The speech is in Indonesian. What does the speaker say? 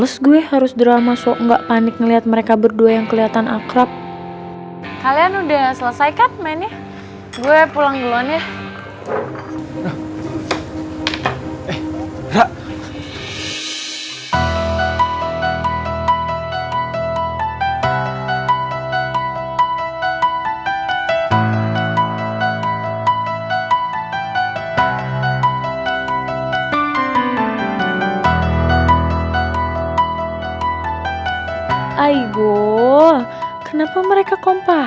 saya rasa madam gak perlu memencet michelle ho